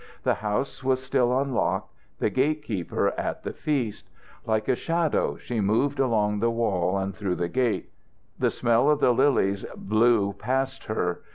The house was still unlocked, the gate keeper at the feast. Like a shadow she moved along the wall and through the gate. The smell of the lilies blew past her.